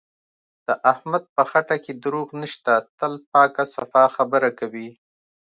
د احمد په خټه کې دروغ نشته، تل پاکه صفا خبره کوي.